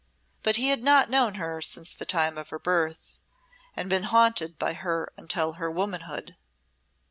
But he had not known her since the time of her birth, and been haunted by her until her womanhood."